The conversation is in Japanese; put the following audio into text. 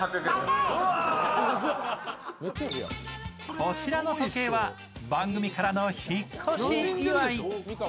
こちらの時計は番組からの引越祝い。